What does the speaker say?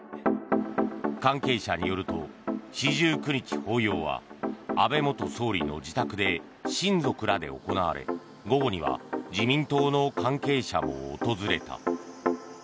関係者によると四十九日法要は安倍元総理の自宅で親族らで行われ午後には自民党の関係者も訪れた。